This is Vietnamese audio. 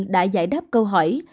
đã giải đáp câu hỏi